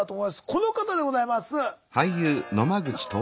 この方でございます。